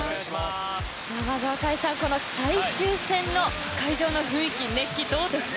まず、若井さん、この最終戦の会場の雰囲気熱気、どうですか。